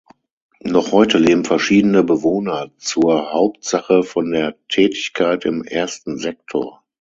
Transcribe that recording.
Noch heute leben verschiedene Bewohner zur Hauptsache von der Tätigkeit im ersten Sektor.